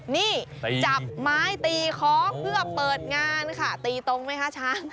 นี่จับไม้ตีค้อเพื่อเปิดงานค่ะตีตรงไหมคะช้าง